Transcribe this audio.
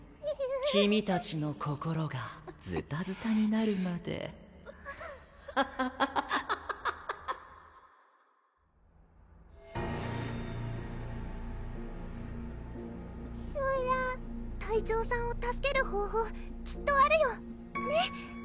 君たちの心がズタズタになるまで・・ハハハハハ・そら隊長さんを助ける方法きっとあるよねっ？